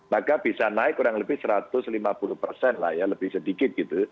maka bisa naik kurang lebih satu ratus lima puluh persen lah ya lebih sedikit gitu